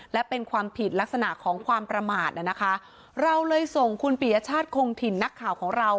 และเป็นความผิดลักษณะของความประมาทน่ะนะคะเราเลยส่งคุณปียชาติคงถิ่นนักข่าวของเรา